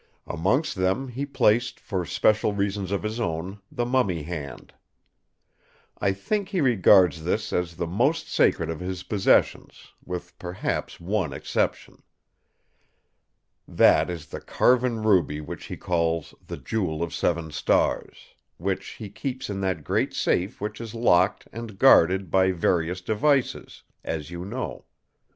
Amongst them he placed, for special reasons of his own, the mummy hand. I think he regards this as the most sacred of his possessions, with perhaps one exception. That is the carven ruby which he calls the 'Jewel of Seven Stars', which he keeps in that great safe which is locked and guarded by various devices, as you know.